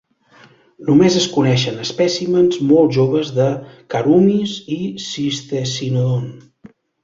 Només es coneixen espècimens molt joves de "Karoomys" i "Cistecynodon".